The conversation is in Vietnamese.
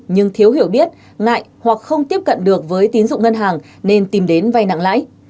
nhưng thiếu hiểu biết ngại hoặc không tiếp cận được với tín dụng ngân hàng nên tìm đến vay nặng lãi